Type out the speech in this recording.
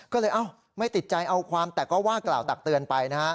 ก็เลยไม่ติดใจเอาความแต่ก็ว่ากล่าวตักเตือนไปนะฮะ